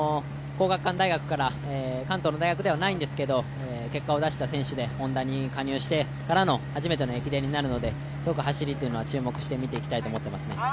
関東の大学ではないんですけど、結果を出した選手でＨｏｎｄａに加入してからの初めての駅伝なので走りというのは注目して見ていきたいと思います。